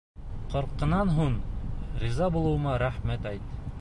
Ҡырҡынан һуң риза булыуыма рәхмәт әйт.